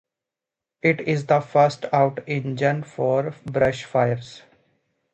It is the first out engine for brush fires.